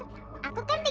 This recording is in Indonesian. aku kan tinggal di sini